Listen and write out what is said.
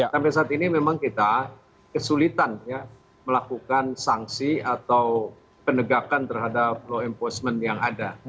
sampai saat ini memang kita kesulitan melakukan sanksi atau penegakan terhadap law enforcement yang ada